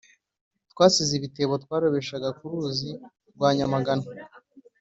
Twasize ibitebo twarobeshaga ku ruzi rwa nyamagana